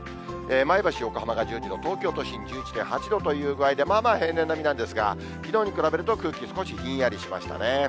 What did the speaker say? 前橋、横浜が１２度、東京都心１１でん８どというぐあいで、まあまあ平年並みなんですが、きのうに比べると、空気、少しひんやりしましたね。